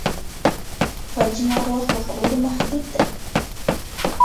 فلجي ناروغ په خبرو محدود دی.